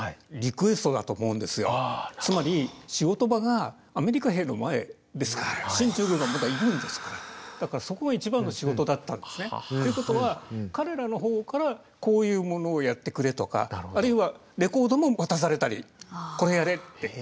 つまり仕事場がアメリカ兵の前ですから進駐軍がまだいるんですからだからそこが一番の仕事だったんですね。ということは彼らの方からこういうものをやってくれとかあるいはレコードも渡されたりこれやれって。